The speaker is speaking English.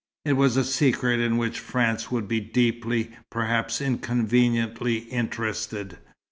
It was a secret in which France would be deeply, perhaps inconveniently, interested.